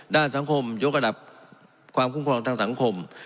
ด้านสังคมยกระดับความคุ้มครองทางสังคม